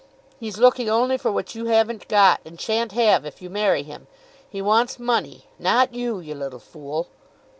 He's looking only for what you haven't got, and shan't have if you marry him. He wants money, not you, you little fool!"